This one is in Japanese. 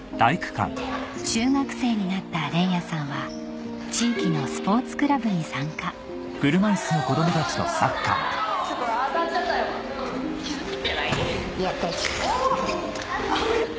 中学生になった連也さんは地域のスポーツクラブに参加ちょっと当たっちゃったよ。